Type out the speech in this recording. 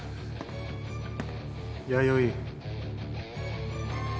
弥生。